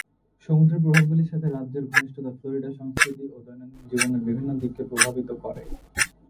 সমুদ্রের প্রভাবগুলির সাথে রাজ্যের ঘনিষ্ঠতা ফ্লোরিডা সংস্কৃতি এবং দৈনন্দিন জীবনের বিভিন্ন দিককে প্রভাবিত করে।